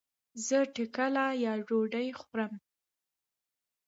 زه ټکله يا ډوډي خورم